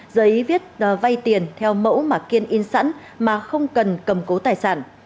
giấy viết vay tiền theo mẫu mà kiên in sẵn mà không cần cầm cố tài sản